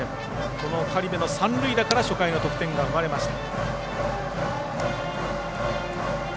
この苅部の三塁打から初回の得点が生まれました。